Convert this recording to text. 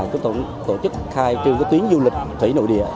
chúng tôi cũng tổ chức khai trương tuyến du lịch thủy nội địa